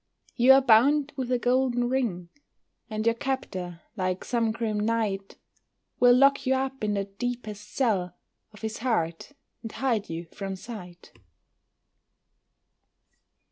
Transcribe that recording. You are bound with a golden ring, And your captor, like some grim knight, Will lock you up in the deepest cell Of his heart, and hide you from sight.